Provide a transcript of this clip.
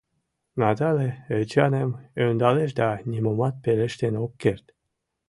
Натале Эчаным ӧндалеш да нимомат пелештен ок керт.